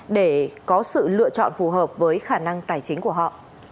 để có sự lựa chọn phù hợp với khả năng tài chính của họ